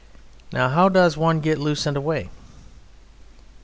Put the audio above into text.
Now how does one get loose and away?